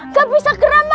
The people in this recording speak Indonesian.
nggak bisa geramah